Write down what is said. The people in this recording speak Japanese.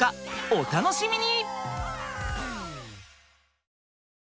お楽しみに！